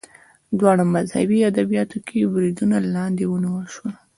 دواړه مذهبي ادبیاتو کې بریدونو لاندې ونیول شول